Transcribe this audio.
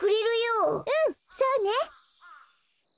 うんそうね！